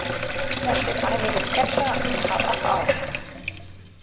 Er schrieb einige Sketche und trat auch auf.